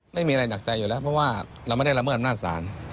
ไม่มีอะไรหนักใจอยู่แล้วเพราะว่าเราไม่ได้ละเมิดอำนาจศาล